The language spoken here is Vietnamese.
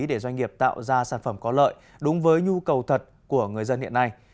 để doanh nghiệp tạo ra sản phẩm có lợi đúng với nhu cầu thật của người dân hiện nay